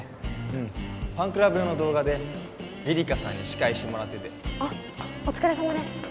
うんファンクラブ用の動画でリリカさんに司会してもらっててあっお疲れさまです